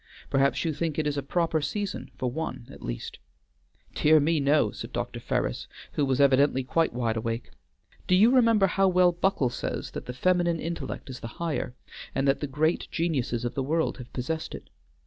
Perhaps you think it is a proper season for one at least?" "Dear me, no!" said Dr. Ferris, who was evidently quite wide awake. "Do you remember how well Buckle says that the feminine intellect is the higher, and that the great geniuses of the world have possessed it?